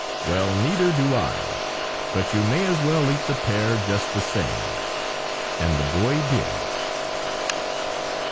"Well, neither do I! But you may as well eat the pear, just the same." And the Boy did.